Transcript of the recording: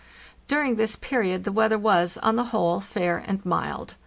During this period the weather was, on the whole, fair and mild.